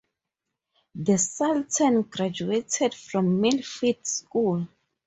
The Sultan graduated from Millfield School.